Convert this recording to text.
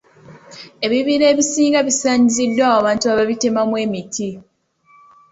Ebibira ebisinga bisaanyiziddwawo abantu ababitemamu emiti.